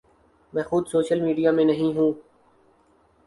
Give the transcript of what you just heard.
میں خود social media میں نہیں ہوں۔